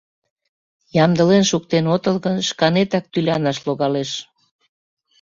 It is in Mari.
Ямдылен шуктен отыл гын, шканетак тӱлянаш логалеш.